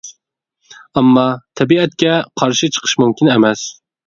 ئامما تەبىئەتكە قارشى چىقىش مۇمكىن ئەمەس.